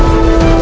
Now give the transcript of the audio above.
aku sudah menang